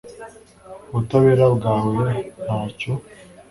ubutabera bwawe ntacyo